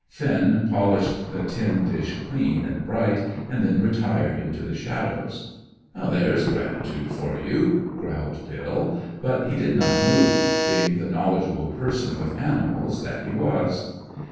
Finn polished the tin dish clean and bright, and then retired into the shadows. "There's gratitude for you!" growled Bill. But he did not move, being the knowledgeable person with animals that he was.